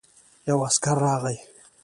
يو عسکر راغی.